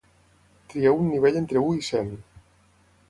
Trieu un nivell entre u i cent.